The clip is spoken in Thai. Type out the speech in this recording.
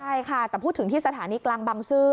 ใช่ค่ะแต่พูดถึงที่สถานีกลางบังซื้อ